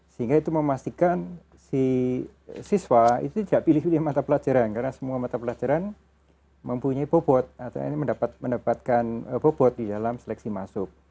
sehingga itu memastikan si siswa itu tidak pilih pilih mata pelajaran karena semua mata pelajaran mempunyai bobot atau mendapatkan bobot di dalam seleksi masuk